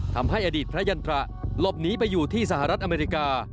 ทำให้อดีตพระยันตระหลบหนีไปอยู่ที่สหรัฐอเมริกา